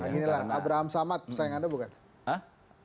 inilah abraham samad pesaing anda bukan